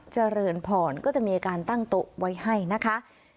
เจริญพรก็จะมีการตั้งโต๊ะไว้ให้นะคะ